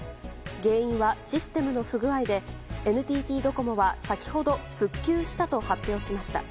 原因はシステムの不具合でＮＴＴドコモは先ほど、復旧したと発表しました。